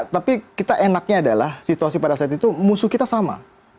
tapi kita enaknya adalah situasi pada saat itu musuh kita sama